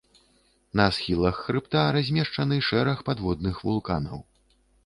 На схілах хрыбта размешчаны шэраг падводных вулканаў.